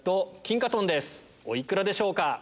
お幾らでしょうか？